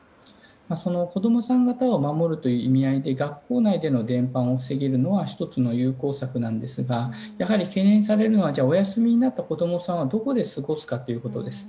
子供さん方を守るという意味合いで学校内での伝播を防げるのは１つの有効策なんですがやはり懸念されるのはお休みになった子供さんはどこで過ごすかということです。